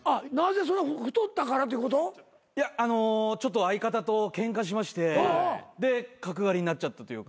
いやちょっと相方とケンカしましてで角刈りになっちゃったというか。